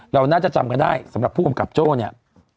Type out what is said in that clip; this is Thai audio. เราน่าจะจำกันได้สำหรับผู้กำกับโจ้เนี่ย